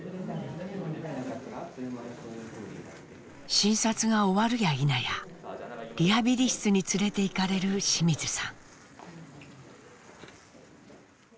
診察が終わるやいなやリハビリ室に連れていかれる清水さん。